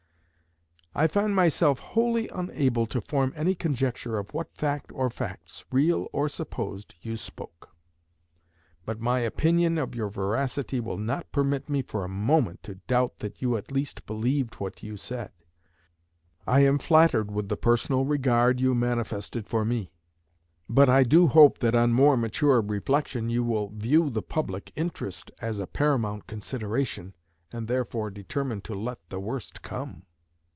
I find myself wholly unable to form any conjecture of what fact or facts, real or supposed, you spoke. But my opinion of your veracity will not permit me for a moment to doubt that you at least believed what you said. I am flattered with the personal regard you manifested for me; but I do hope that on more mature reflection you will view the public interest as a paramount consideration, and therefore determine to let the worst come.